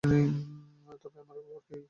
তবে আবার কী।